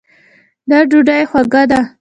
دا ډوډۍ خوږه ده